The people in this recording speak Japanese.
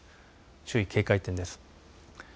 注意、警戒点です。